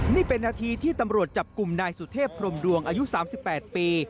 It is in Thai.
นี่เป็นนาทีที่ตำรวจจับกลุ่มนายสุเทพพรมดวงอายุ๓๘ปี